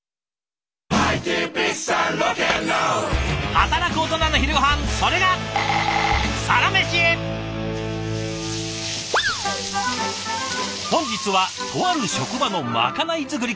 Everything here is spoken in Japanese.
働くオトナの昼ごはんそれが本日はとある職場のまかない作りから。